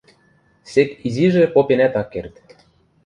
Сек изижӹ попенӓт ак керд.